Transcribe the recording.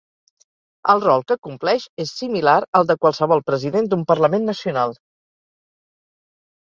El rol que compleix és similar al de qualsevol president d'un parlament nacional.